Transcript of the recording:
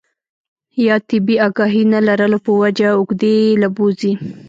يا طبي اګاهي نۀ لرلو پۀ وجه اوږدې له بوځي